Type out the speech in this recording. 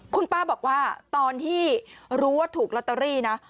คุณป้าบอกว่าตอนที่รู้ว่าถูกลอตเตอรี่นะ